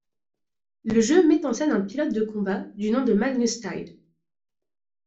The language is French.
Le jeu met en scène un pilote de combat du nom de Magnus Tide.